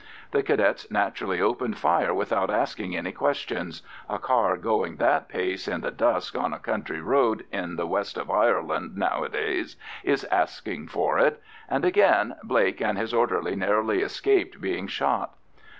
The Cadets naturally opened fire without asking any questions—a car going that pace in the dusk on a country road in the west of Ireland nowadays is asking for it—and again Blake and his orderly narrowly escaped being shot.